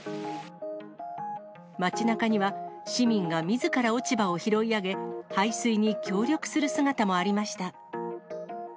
街なかには、市民がみずから落ち葉を拾い上げ、排水に協力する姿もありました。